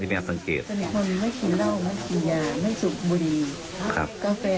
หงิ้งห่วงยังไงครับ